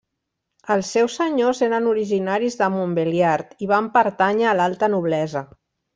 Els seus senyors eren originaris de Montbéliard i van pertànyer a l'alta noblesa.